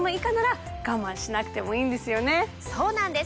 そうなんです！